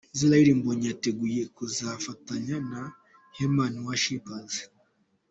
Israel Mbonyi yiteguye kuzafatanya na Heman worshipers.